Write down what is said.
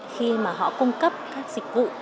khi mà họ cung cấp các dịch vụ